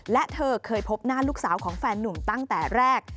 และเธอเคยพบหน้าลูกสาวของแฟนนุ่มตั้งแต่แรก